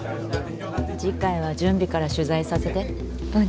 次回は準備から取材させて。